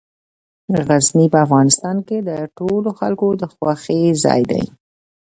غزني په افغانستان کې د ټولو خلکو د خوښې ځای دی.